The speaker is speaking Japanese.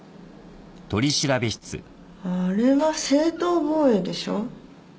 あれは正当防衛でしょ。